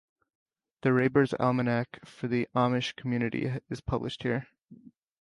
The Raber's Almanac for the Amish community is published here.